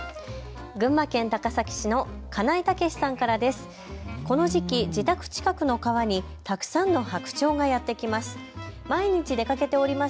群馬県高崎市の金井猛さんからです。